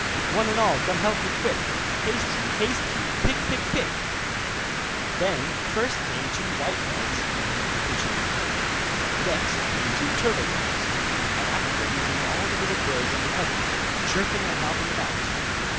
One and all come help me, quick! Haste ye, haste ye! pick, pick, pick!' Then first came two white doves in at the kitchen window; next came two turtle doves; and after them came all the little birds under heaven, chirping and hopping about.